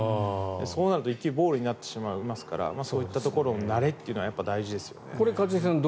そうなると１球ボールになってしまいますからそういったところの慣れというのは大事ですね。